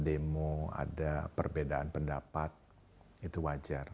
demo ada perbedaan pendapat itu wajar